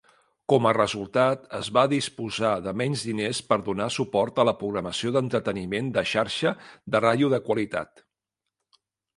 Com a resultat, es va disposar de menys diners per donar suport a la programació d'entreteniment de xarxa de ràdio de qualitat.